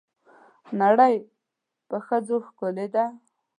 نړۍ په ښځو ښکلې ده.